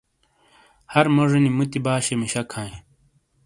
ہر موجینی موتی باشے مشک ہائں۔